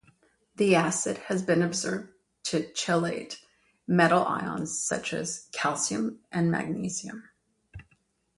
The acid has been observed to chelate metal ions such as calcium and magnesium.